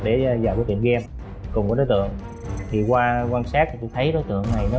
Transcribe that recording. để vào cái tiệm game cùng với đối tượng thì qua quan sát thì tôi thấy đối tượng này nó